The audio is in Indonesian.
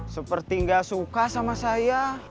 seperti nggak suka sama saya